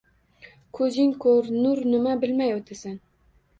Ko’zing ko’r, nur nima bilmay o’tasan.